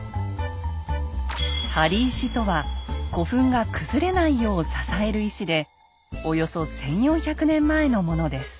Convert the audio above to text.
「貼り石」とは古墳が崩れないよう支える石でおよそ１，４００年前のものです。